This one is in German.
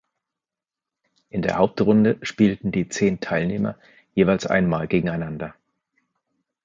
In der Hauptrunde spielten die zehn Teilnehmer jeweils einmal gegeneinander.